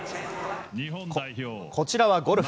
こちらはゴルフ。